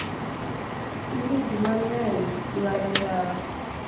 Tinde jii mangeny ywayo ndawa.